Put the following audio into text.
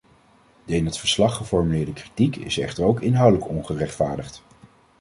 De in het verslag geformuleerde kritiek is echter ook inhoudelijk ongerechtvaardigd.